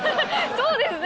そうですね。